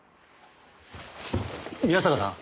宮坂さん？